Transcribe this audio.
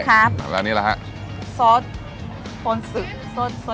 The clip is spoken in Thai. ก็จะออกจากใต้เหนียวเหนียวนุ่มอะไรอย่างงี้เหมือนกันเนอะ